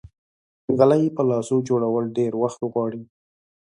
غلۍ په لاسو جوړول ډېر وخت غواړي.